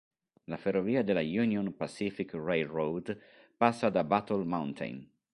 La ferrovia della Union Pacific Railroad passa da Battle Mountain.